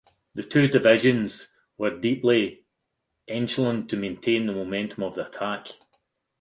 The two divisions were deeply echeloned to maintain the momentum of the attack.